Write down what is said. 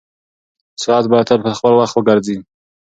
ساعت باید تل په خپل وخت وګرځي.